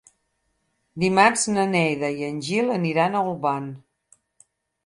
Dimarts na Neida i en Gil aniran a Olvan.